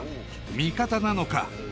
味方なのか？